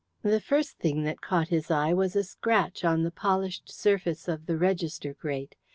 The first thing that caught his eye was a scratch on the polished surface of the register grate.